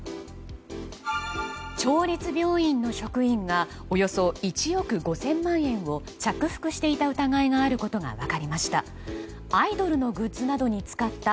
町立病院の職員がおよそ１億５０００万円を着服していた疑いがあることが分かりました。